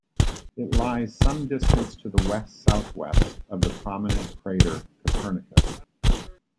It lies some distance to the west-southwest of the prominent crater Copernicus.